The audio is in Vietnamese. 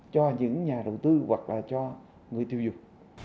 cho những nhà đầu tư hoặc là cho người tiêu dùng